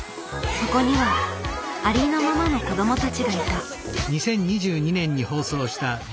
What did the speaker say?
そこにはありのままの子どもたちがいた。